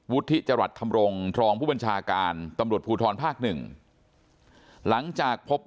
ธิจรัสธรรมรงค์รองผู้บัญชาการตำรวจภูทรภาคหนึ่งหลังจากพบ